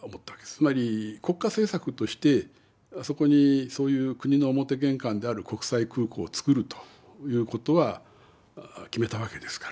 つまり国家政策としてそこにそういう国の表玄関である国際空港を造るということは決めたわけですから。